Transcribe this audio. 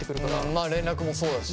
まあ連絡もそうだし。